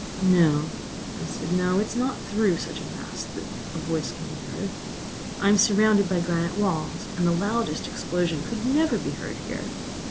"No," I said, "no; it is not through such a mass that a voice can be heard. I am surrounded by granite walls, and the loudest explosion could never be heard here!